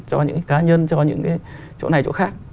cho những cá nhân cho những chỗ này chỗ khác